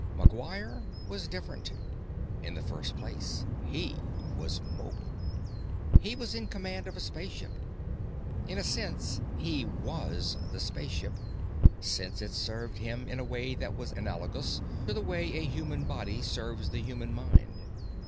McGuire was different. In the first place, he was mobile. He was in command of a spacecraft. In a sense, he was the spacecraft, since it served him in a way that was analogous to the way a human body serves the human mind.